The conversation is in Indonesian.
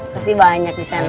pasti banyak di sana